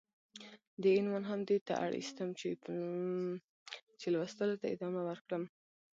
دې عنوان هم دې ته اړيستم چې ،چې لوستلو ته ادامه ورکړم.